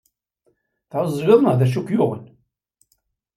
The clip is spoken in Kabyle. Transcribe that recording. Tɛeẓged neɣ d acu ay k-yuɣen?